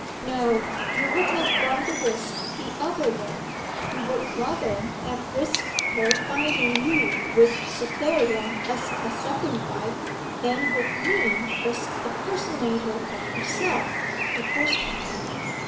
'No you would have run the risk the other way. You would rather have risked her finding you with Cytherea as a second wife, than with me as a personator of herself the first one.